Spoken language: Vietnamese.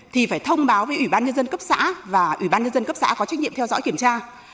thì phải thông báo với ủy ban nhân dân cấp xã và ủy ban nhân dân cấp xã có trách nhiệm theo dõi kiểm tra